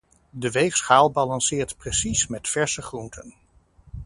De weegschaal balanceert precies met verse groenten.